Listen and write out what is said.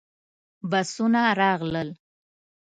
بسونه راغلل.